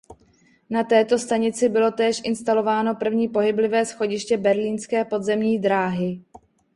Na této stanici bylo též instalováno první pohyblivé schodiště berlínské podzemní dráhy.